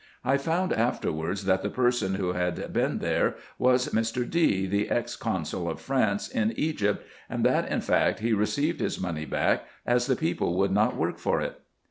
I found afterwards, that the person who had been there was Mr. D., the ex consul of France in Egypt ; and that in fact he received his money back, as the people would not work for it.